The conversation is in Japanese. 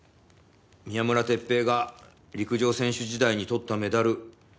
宮村哲平が陸上選手時代にとったメダル。